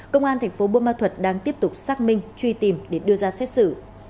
công an thành phố bô ma thuật đang tiếp tục xác minh truy tìm để đưa ra xét xử